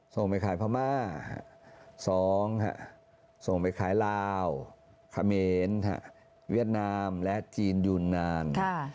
ส่งไปขายพม่า๒ส่งไปขายลาวเขมรเวียดนามและจีนยูนาน